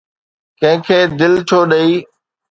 ڪنهن کي دل ڇو ڏئي؟